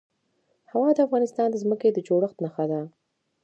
هوا د افغانستان د ځمکې د جوړښت نښه ده.